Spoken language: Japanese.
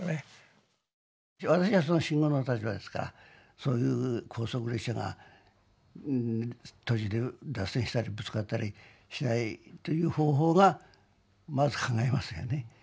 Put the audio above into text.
私は信号の立場ですからそういう高速列車が途中で脱線したりぶつかったりしないという方法がまず考えますよね。